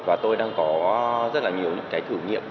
và tôi đang có rất là nhiều những cái thử nghiệm